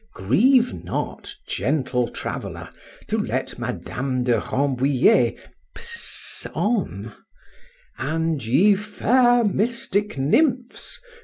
Grieve not, gentle traveller, to let Madame de Rambouliet p—ss on.—And, ye fair mystic nymphs!